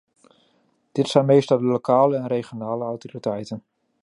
Dit zijn meestal de lokale en regionale autoriteiten.